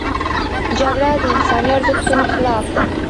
جګړه د انساني ارزښتونو خلاف ده